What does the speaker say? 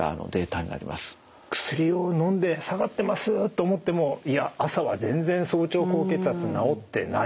薬をのんで下がってますと思ってもいや朝は全然早朝高血圧治ってないと。